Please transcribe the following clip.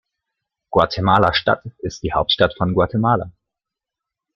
Guatemala-Stadt ist die Hauptstadt von Guatemala.